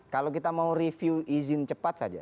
kalau kita mau review izin cepat saja